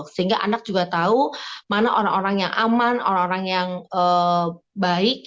sehingga anak juga tahu mana orang orang yang aman orang orang yang baik